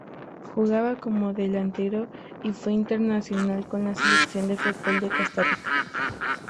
Jugaba como delantero y fue internacional con la selección de fútbol de Costa Rica.